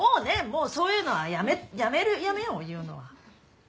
もうそういうのはやめるやめよう言うのは。